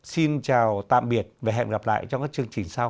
xin chào tạm biệt và hẹn gặp lại trong các chương trình sau